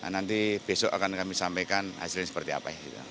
nanti besok akan kami sampaikan hasilnya seperti apa